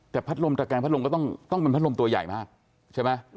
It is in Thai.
แต่พัดลมตะแกงพัดลมก็ต้องเป็นพัดลมตัวใหญ่มากใช่ไหม